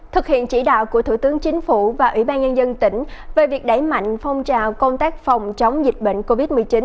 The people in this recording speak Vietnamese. thực hiện chỉ đạo của thủ tướng chính phủ và ủy ban nhân dân tỉnh về việc đẩy mạnh phong trào công tác phòng chống dịch bệnh covid một mươi chín